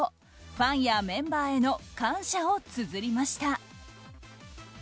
ファンやメンバーへの感謝をつづりました。